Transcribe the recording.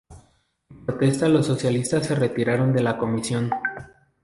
En protesta los socialistas se retiraron de la comisión.